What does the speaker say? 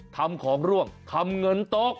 ทำของร่วงทำเงินโต๊ะ